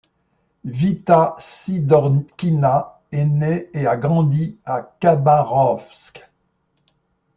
Vita Sidorkina est née et a grandi à Khabarovsk.